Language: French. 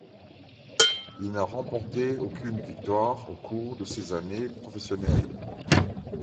Il n'a remporté aucune victoire au cours de ses années professionnelles.